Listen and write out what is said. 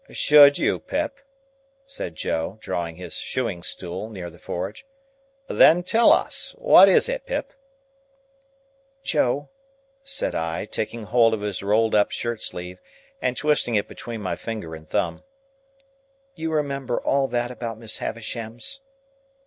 "Should you, Pip?" said Joe, drawing his shoeing stool near the forge. "Then tell us. What is it, Pip?" "Joe," said I, taking hold of his rolled up shirt sleeve, and twisting it between my finger and thumb, "you remember all that about Miss Havisham's?"